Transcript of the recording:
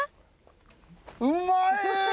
うまい！